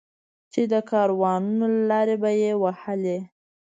چې د کاروانونو لارې به یې وهلې.